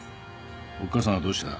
おっかさんはどうした？